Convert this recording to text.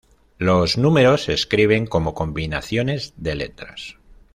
Los números se escriben como combinaciones de letras.